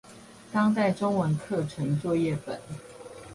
當代中文課程作業本